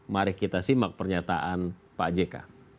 mari kita simak pernyataan pak jk